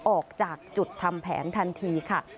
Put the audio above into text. ออกจากจุดทำแผนทันทีค่ะ